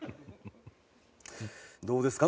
どうですか？